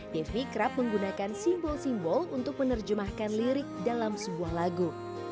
devi kerap menggunakan simbol simbol untuk menerjemahkan lirik dalam sebuah lagu